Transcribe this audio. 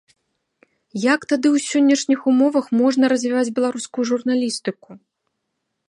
Як тады ў сённяшніх умовах можна развіваць беларускую журналістыку?